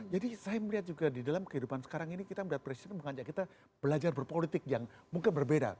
jadi saya melihat juga di dalam kehidupan sekarang ini kita melihat presiden mengajak kita belajar berpolitik yang mungkin berbeda